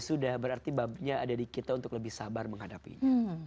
sudah berarti babnya ada di kita untuk lebih sabar menghadapinya